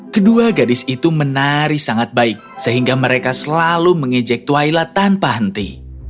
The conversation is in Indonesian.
kedua gadis itu menari sangat baik sehingga mereka selalu mengejek twaila tanpa henti